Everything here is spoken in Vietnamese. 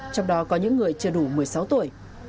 trong đó có những người chưa đủ một mươi sáu tuổi